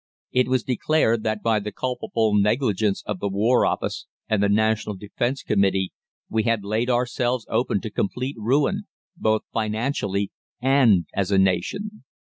It was declared that by the culpable negligence of the War Office and the National Defence Committee we had laid ourselves open to complete ruin, both financially and as a nation.